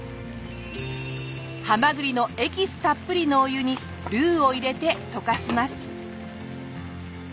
ハマグリのエキスたっぷりのお湯にルーを入れて溶かします。